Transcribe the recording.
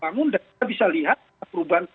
bangun dan kita bisa lihat perubahan